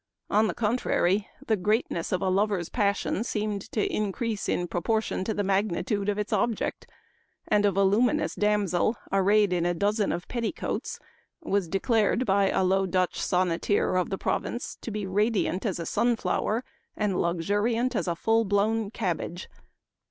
On the contrary, the greatness of a lover's passion seemed to increase in proportion to the magni tude of its object ; and a voluminous damsel, arrayed in a dozen of petticoats, was declared by a Low Dutch sonneteer of the province to be radi ant as a sun flower, and luxuriant as a full blown cabbage.